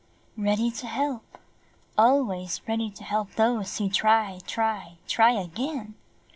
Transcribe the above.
"Ready to help, always ready to help those who try, try, try again.